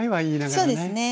そうですね。